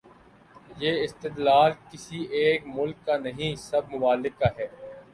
یہ استدلال کسی ایک ملک کا نہیں، سب ممالک کا ہے۔